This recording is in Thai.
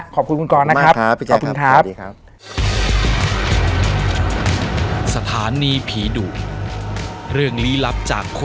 ขอบคุณคุณกรนะครับ